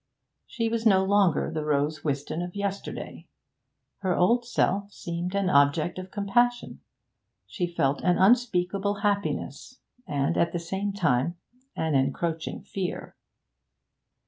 She was no longer the Rose Whiston of yesterday. Her old self seemed an object of compassion. She felt an unspeakable happiness, and at the same time an encroaching fear.